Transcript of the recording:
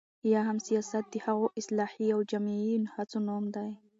یا هم سياست د هغو اصلاحي او جمعي هڅو نوم دی،